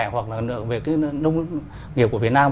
hoặc là về cái nông nghiệp của việt nam